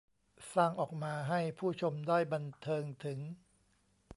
สร้างออกมาให้ผู้ชมได้บันเทิงถึง